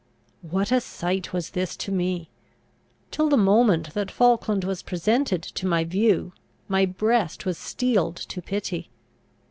What a sight was this to me! Till the moment that Falkland was presented to my view, my breast was steeled to pity.